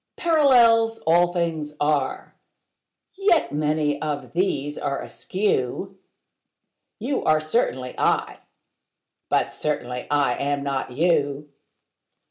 Parallels all things are: yet many of these are askew: You are certainly I: but certainly I am not you.